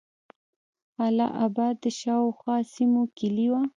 اله آباد د شاوخوا سیمو کیلي وه.